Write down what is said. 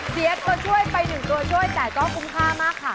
เสียตัวช่วยไป๑ตัวช่วยแต่ก็คุ้มค่ามากค่ะ